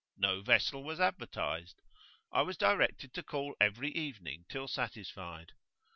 No vessel was advertised; I was directed to call every evening till satisfied.